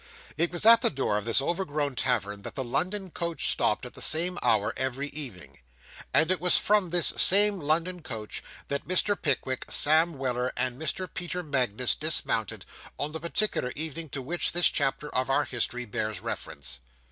It was at the door of this overgrown tavern that the London coach stopped, at the same hour every evening; and it was from this same London coach that Mr. Pickwick, Sam Weller, and Mr. Peter Magnus dismounted, on the particular evening to which this chapter of our history bears reference.